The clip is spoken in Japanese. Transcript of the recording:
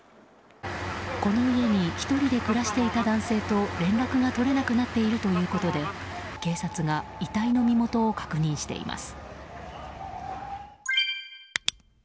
この家に１人で暮らしていた男性と連絡が取れなくなっているということで警察が遺体の身元を確認しています。